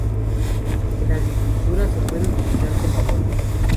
En agricultura, se puede utilizar como abono.